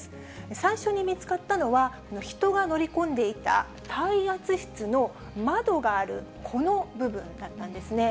最初に見つかったのは、人が乗り込んでいた耐圧室の窓があるこの部分だったんですね。